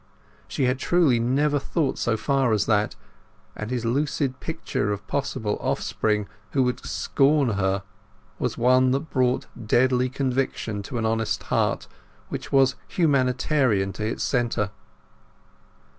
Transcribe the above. She had truly never thought so far as that, and his lucid picture of possible offspring who would scorn her was one that brought deadly convictions to an honest heart which was humanitarian to its centre.